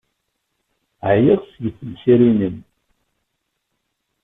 Ɛyiɣ seg temsirin-nnem.